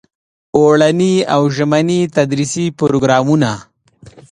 اوړني او ژمني تدریسي پروګرامونه.